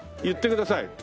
言ってください。